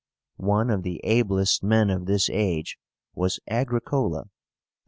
One of the ablest men of this age was AGRICOLA (37 93).